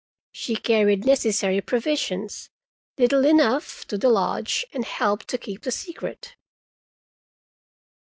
She carried necessary provisions—little enough—to the lodge, and helped to keep the secret.